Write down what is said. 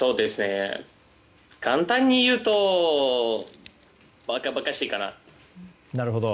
簡単に言うとばかばかしいかな。